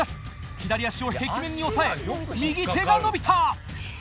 左足を壁面に押さえ右手が伸びた。